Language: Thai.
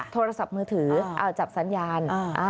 โทรศัพท์มือถือเอาจับสัญญาณ